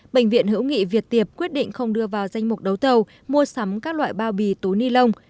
bệnh viện hữu nghị việt tiệp quyết định không đưa vào danh mục đấu tàu mua sắm các loại bao bì túi ni lông